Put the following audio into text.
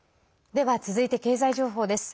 では続いて経済情報です。